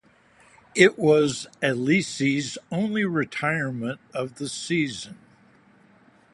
It was Alesi's only retirement of the season.